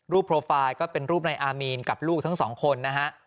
โปรไฟล์ก็เป็นรูปนายอามีนกับลูกทั้งสองคนนะฮะ